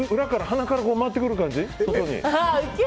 鼻から回ってくる感じ？